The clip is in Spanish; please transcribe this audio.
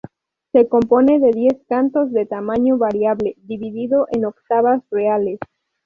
Se compone de diez cantos de tamaño variable dividido en octavas reales.